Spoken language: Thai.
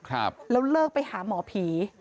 แล้วเลิกไปหาหมอผี